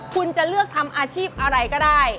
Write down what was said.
คุณจะเลือกทำอาชีพอะไรก็ได้